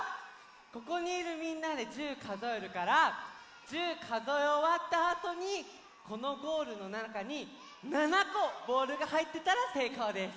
ここにいるみんなで１０かぞえるから１０かぞえおわったあとにこのゴールのなかに７こボールがはいってたらせいこうです。